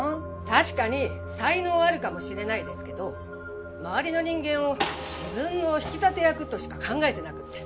確かに才能はあるかもしれないですけど周りの人間を自分の引き立て役としか考えてなくって。